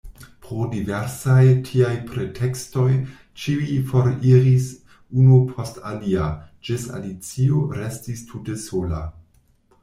Pro diversaj tiaj pretekstoj ĉiuj foriris unu post alia, ĝis Alicio restis tute sola.